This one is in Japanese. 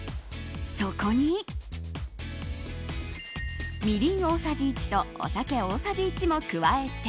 そこに、みりん大さじ１とお酒大さじ１も加えて。